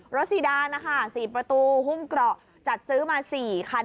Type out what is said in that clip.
ซีดานนะคะ๔ประตูหุ้มเกราะจัดซื้อมา๔คัน